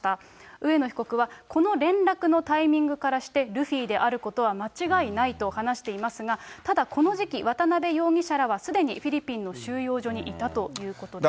上野被告は、この連絡のタイミングからして、ルフィであることは間違いないと話していますが、ただ、この時期、渡辺容疑者らはすでにフィリピンの収容所にいたということです。